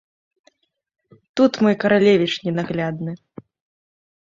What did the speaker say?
Тут мой каралевіч ненаглядны!